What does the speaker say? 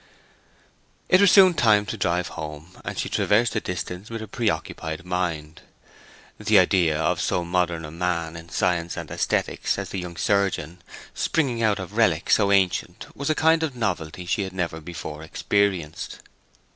It was soon time to drive home, and she traversed the distance with a preoccupied mind. The idea of so modern a man in science and aesthetics as the young surgeon springing out of relics so ancient was a kind of novelty she had never before experienced.